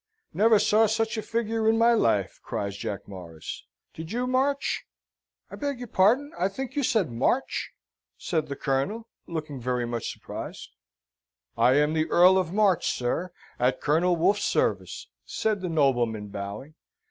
"Never saw such a figure in my life!" cries Jack Morris. "Did you March?" "I beg your pardon, I think you said March?" said the Colonel, looking very much surprised. "I am the Earl of March, sir, at Colonel Wolfe's service," said the nobleman, bowing.